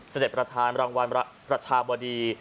เสด็จประถานรองวัลมรัชประชาบดี